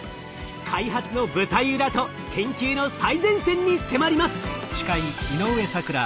開発の舞台裏と研究の最前線に迫ります！